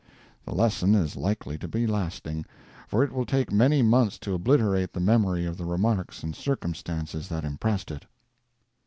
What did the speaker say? The lesson is likely to be lasting, for it will take many months to obliterate the memory of the remarks and circumstances that impressed it.